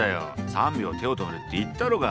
３秒手を止めるって言ったろが。